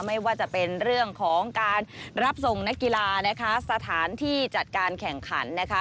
ไม่ว่าจะเป็นเรื่องของการรับส่งนักกีฬานะคะสถานที่จัดการแข่งขันนะคะ